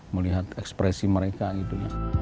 melihat ekspresi mereka gitu